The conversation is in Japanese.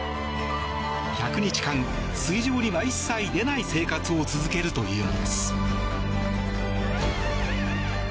１００日間、水上には一切出ない生活を続けるというもの。